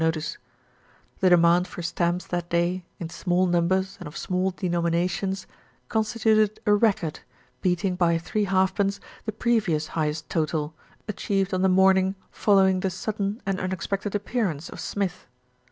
LITTLE BILSTEAD ACHES WITH DRAMA 295 The demand for stamps that day, in small numbers and of small denominations, constituted a record, beat ing by three halfpence the previous highest total, achieved on the morning following the sudden and un expected appearance of Smith.